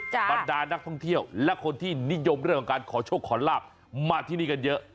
บรรดานักท่องเที่ยวและคนที่นิยมเรื่องของการขอโชคขอลาบมาที่นี่กันเยอะ